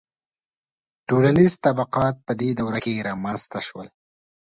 • ټولنیز طبقات په دې دوره کې رامنځته شول.